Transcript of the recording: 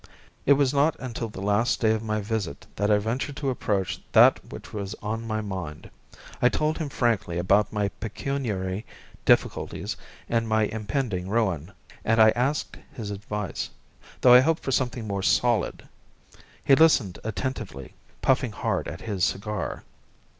It was not until the last day of my visit that I ventured to approach that which was on my mind. I told him frankly about my pecuniary difficulties and my impending ruin, and I asked his advice though I hoped for something more solid. He listened attentively, puffing hard at his cigar.